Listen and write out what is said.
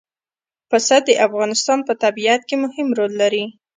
پسه د افغانستان په طبیعت کې مهم رول لري.